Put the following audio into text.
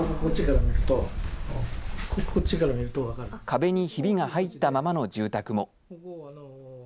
壁にひびが入ったままの住宅も。